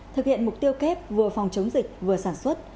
thực hiện mục tiêu kép vừa phòng chống dịch vừa sản xuất